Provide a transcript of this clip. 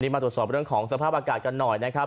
มาตรวจสอบเรื่องของสภาพอากาศกันหน่อยนะครับ